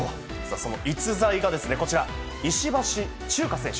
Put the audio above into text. その逸材がこちら石橋チューカ選手。